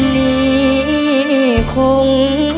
นี่คง